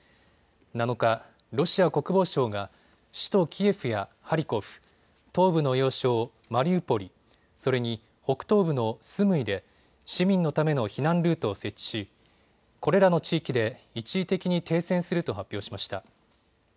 ７日、ロシア国防省が首都キエフやハリコフ、東部の要衝マリウポリ、それに北東部のスムイで市民のための避難ルートを設置しこれらの地域で一時的に停戦すると発表しました。